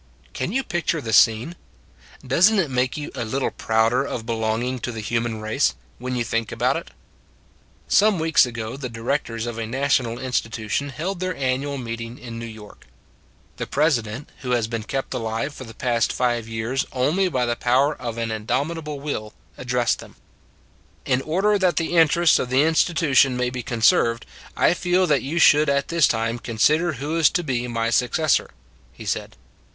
Can you picture the scene? Does n t it make you a little prouder of belonging to the human race, when you think about it? Some weeks ago the directors of a na 178 Up to the End 179 tional institution held their annual meeting in New York. The President, who has been kept alive for the past five years only by the power of an indomitable will, ad dressed them: " In order that the interests of the insti tution may be conserved, I feel that you should at this time consider who is to be my successor," he said.